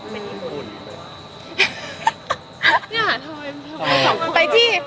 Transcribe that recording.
เนี่ยทำไม